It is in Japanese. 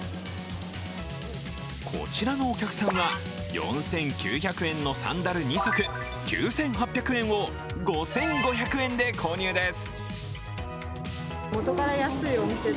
こちらのお客さんは４９００円のサンダル２足９８００円を５５００円で購入です。